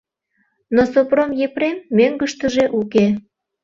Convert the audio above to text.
Но Сопром Епрем мӧҥгыштыжӧ уке.